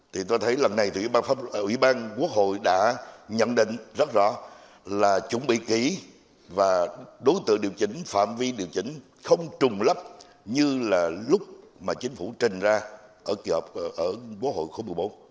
thì tôi thấy lần này ủy ban quốc hội đã nhận định rất rõ là chuẩn bị ký và đối tượng điều chỉnh phạm vi điều chỉnh không trùng lấp như là lúc mà chính phủ trình ra ở quốc hội khối một mươi bốn